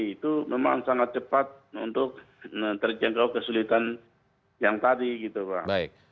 itu memang sangat cepat untuk terjangkau kesulitan yang tadi gitu pak